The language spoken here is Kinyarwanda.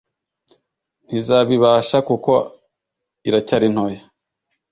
ntizabibasha kuko iracyari ntoya !!!!